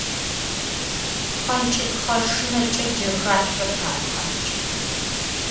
Пхъэнкӏыпхъэ шынэкӏэ джэхашъор къапхъэнкӏы.